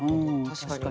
確かに。